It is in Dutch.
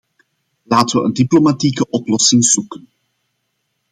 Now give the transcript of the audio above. Laten wij een diplomatieke oplossing zoeken.